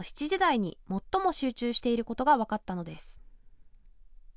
子どもが通学する朝の７時台に最も集中していることが分かったのです。